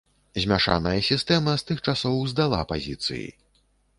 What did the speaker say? Змяшаная сістэма з тых часоў здала пазіцыі.